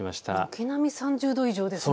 軒並み３０度以上ですね。